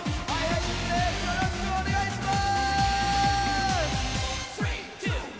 よろしくお願いします！